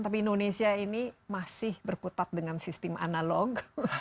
tapi indonesia ini masih berkutat dengan sistem analog